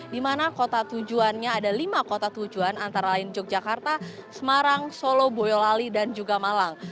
di mana kota tujuannya ada lima kota tujuan antara lain yogyakarta semarang solo boyolali dan juga malang